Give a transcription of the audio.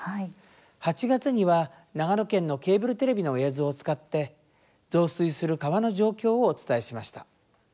８月には長野県のケーブルテレビの映像を使って増水する川の状況をお伝えしました。